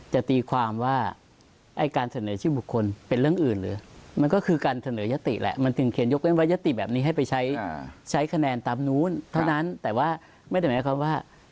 ใช้คะแนนตามนู้นเท่านั้นแต่ว่าไม่ได้เหมือนกับความว่า